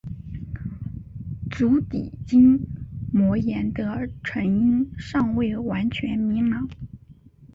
足底筋膜炎的成因尚未完全明朗。